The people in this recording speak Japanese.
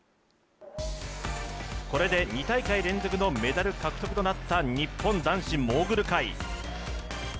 これで２大会連続のメダル獲得となった日本男子モーグル界。